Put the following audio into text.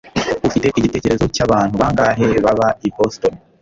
Ufite igitekerezo cyabantu bangahe baba i Boston